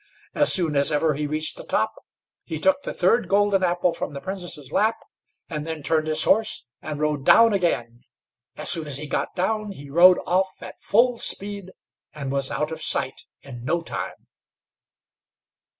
As soon as ever he reached the top, he took the third golden apple from the Princess' lap, and then turned his horse and rode down again. As soon as he got down, he rode off at full speed, and was out of sight in no time.